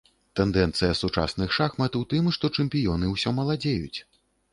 Тэндэнцыя сучасных шахмат у тым, што чэмпіёны ўсё маладзеюць.